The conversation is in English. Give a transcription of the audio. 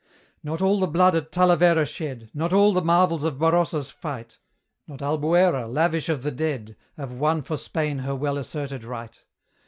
Not all the blood at Talavera shed, Not all the marvels of Barossa's fight, Not Albuera lavish of the dead, Have won for Spain her well asserted right.